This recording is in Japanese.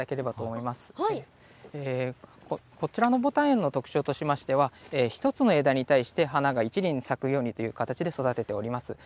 こちらのぼたん園の特徴としましては１つの枝に対して花が１輪咲くようにという形で育てております。